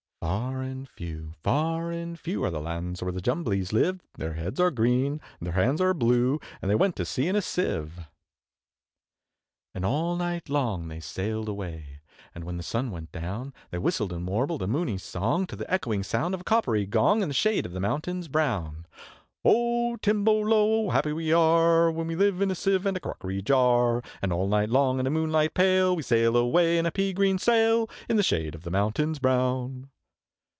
Far and few, far and few, Are the lands where the Jumblies live; Their heads are green, and their hands are blue, And they went to sea in a Sieve. And all night long they sailed away; And when the sun went down, They whistled and warbled a moony song To the echoing sound of a coppery gong, In the shade of the mountains brown. `O Timballo! How happy we are, When we live in a Sieve and a crockery jar, And all night long in the moonlight pale, We sail away with a pea green sail, In the shade of the mountains brown!'